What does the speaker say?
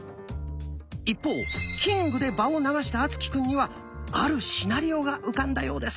一方「キング」で場を流した敦貴くんにはあるシナリオが浮かんだようです！